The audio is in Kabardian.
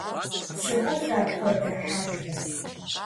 СыхулӀэ апхуэдэ хьэблэ!